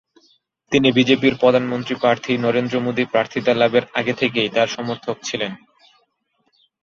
তিনি বিজেপির প্রধানমন্ত্রী প্রার্থী নরেন্দ্র মোদী প্রার্থীতা লাভের আগে থেকেই তার সমর্থক ছিলেন।